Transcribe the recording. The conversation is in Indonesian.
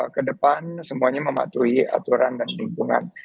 ke depan semuanya mematuhi aturan dan lingkungan